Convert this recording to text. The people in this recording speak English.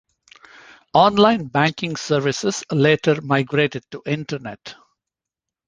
Online banking services later migrated to Internet.